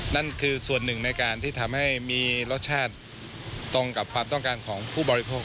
นั่นคือส่วนหนึ่งในการที่ทำให้มีรสชาติตรงกับความต้องการของผู้บริโภค